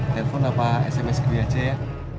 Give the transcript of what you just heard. telepon apa sms kue aja ya